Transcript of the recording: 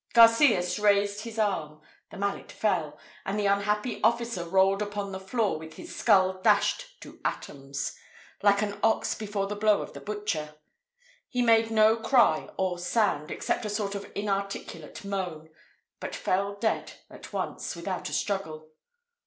Garcias raised his arm the mallet fell, and the unhappy officer rolled upon the floor with his scull dashed to atoms, like an ox before the blow of the butcher. He made no cry or sound, except a sort of inarticulate moan, but fell dead at once, without a struggle.